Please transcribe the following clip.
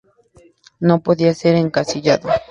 No podía ser encasillado.